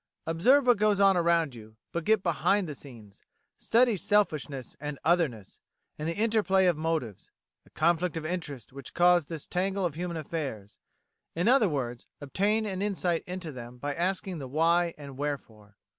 Observe what goes on around you, but get behind the scenes; study selfishness and "otherness," and the inter play of motives, the conflict of interests which causes this tangle of human affairs in other words, obtain an insight into them by asking the "why" and "wherefore."